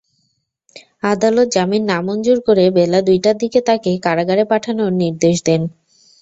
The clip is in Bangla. আদালত জামিন নামঞ্জুর করে বেলা দুইটার দিকে তাঁকে কারাগারে পাঠানোর নির্দেশ দেন।